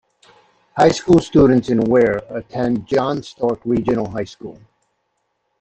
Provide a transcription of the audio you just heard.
High school students in Weare attend John Stark Regional High School.